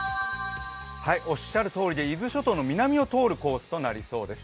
おっしゃるとおりで伊豆諸島の南を通るコースとなりそうです。